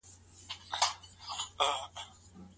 د خطبې پر وخت له کومو خبرو بايد ډډه وسي؟